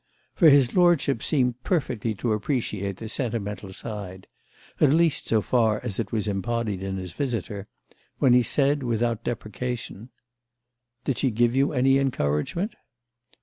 For his lordship seemed perfectly to appreciate the sentimental side—at least so far as it was embodied in his visitor—when he said without deprecation: "Did she give you any encouragement?"